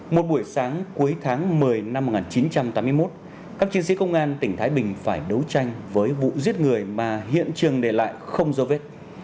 một buổi sáng cuối tháng một mươi năm một nghìn chín trăm tám mươi một các chiến sĩ công an tỉnh thái bình phải đấu tranh với vụ giết người mà hiện trường để lại không dấu vết